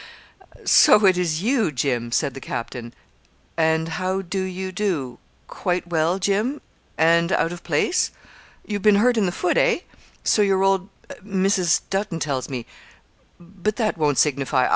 'And so it is you, Jim,' said the captain. 'And how do you do quite well, Jim and out of place? You've been hurt in the foot, eh? so old your Mrs. Dutton tells me, but that won't signify.